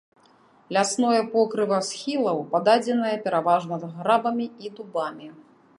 Лясное покрыва схілаў пададзенае пераважна грабамі і дубамі.